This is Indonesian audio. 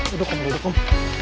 duduk kom duduk kom